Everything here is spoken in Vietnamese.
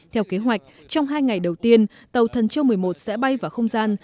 theo kế hoạch trong hai ngày đầu tiên tàu thần châu một mươi một sẽ bay vào không gian